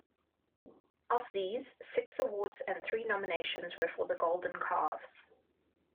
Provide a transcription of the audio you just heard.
Of these, six awards and three nominations were for the Golden Calves.